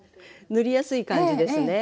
塗りやすい感じですね。